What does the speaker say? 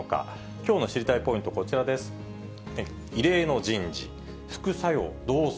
きょうの知りたいポイント、こちらです。